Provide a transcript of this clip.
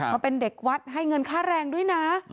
มาเป็นเด็กวัดให้เงินค่าแรงด้วยนะ